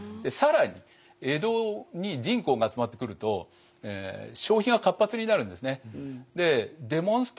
更に江戸に人口が集まってくると消費が活発になるんですね。